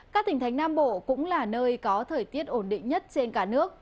các tỉnh thánh nam bộ cũng là nơi có thời tiết ổn định nhất trên cả nước